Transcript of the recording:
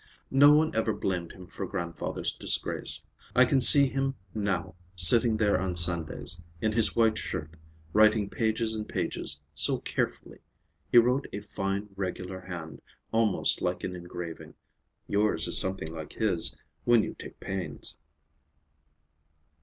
No one ever blamed him for grandfather's disgrace. I can see him now, sitting there on Sundays, in his white shirt, writing pages and pages, so carefully. He wrote a fine, regular hand, almost like engraving. Yours is something like his, when you take pains."